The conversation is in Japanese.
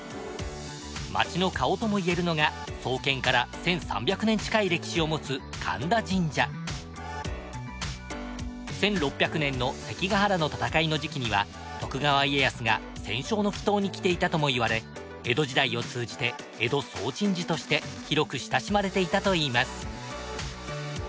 街の顔ともいえるのが創建から１，３００年近い歴史をもつ１６００年の関ヶ原の戦いの時期には徳川家康が戦勝の祈祷に来ていたともいわれ江戸時代を通じて江戸総鎮守として広く親しまれていたといいます。